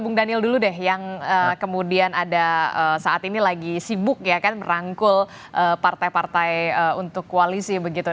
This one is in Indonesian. bung daniel dulu deh yang kemudian ada saat ini lagi sibuk ya kan merangkul partai partai untuk koalisi begitu